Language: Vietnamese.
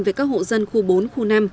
với các hộ dân khu bốn khu năm